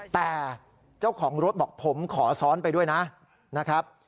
แต่เจ้าของรถบอกผมขอซ้อนไปด้วยนะครับ